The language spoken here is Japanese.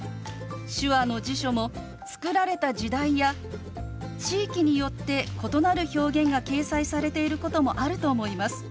手話の辞書も作られた時代や地域によって異なる表現が掲載されていることもあると思います。